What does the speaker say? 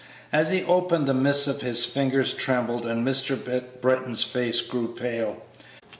As he opened the missive his fingers trembled and Mr. Britton's face grew pale.